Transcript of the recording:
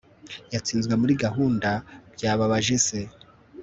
yatsinzwe muri gahunda, byababaje se